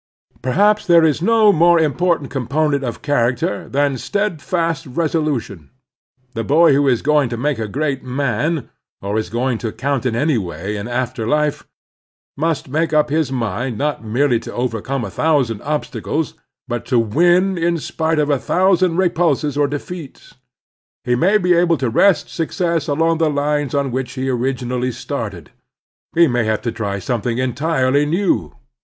Perhaps there is no more important component of character than steadfast resolution. The boy who is going to make a great man, or is going to cotmt in any way in after life, must make up his mind not merely to overcome a thousand ob stacles, but to win in spite of a thousand repulses or defeats. He may be able to wrest success along the lines on which he originally started. He may have to try something entirely new.